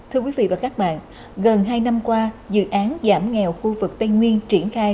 thưa quý vị và các bạn gần hai năm qua dự án giảm nghèo khu vực tây nguyên triển khai